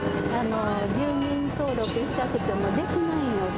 住民登録したくてもできないので。